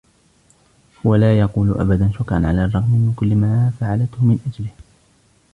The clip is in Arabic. هو لا يقول أبداً شكراً على الرغم من كل ما فعلته من أجله.